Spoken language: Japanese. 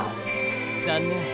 残念。